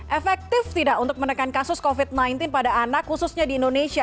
efektif tidak untuk menekan kasus covid sembilan belas pada anak khususnya di indonesia